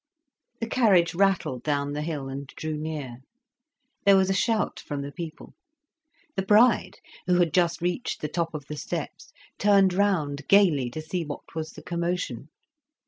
The carriage rattled down the hill, and drew near. There was a shout from the people. The bride, who had just reached the top of the steps, turned round gaily to see what was the commotion.